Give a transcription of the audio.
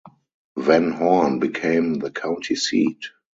Van Horn became the county seat.